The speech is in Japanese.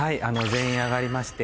全員上がりまして。